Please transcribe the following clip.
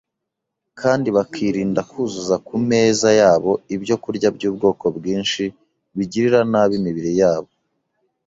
kandi bakirinda kuzuza ku meza yabo ibyokurya by’ubwoko bwinshi bigirira nabi imibiri yabo,